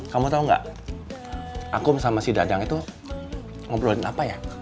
kamu tau gak aku sama si dadang itu ngobrolin apa ya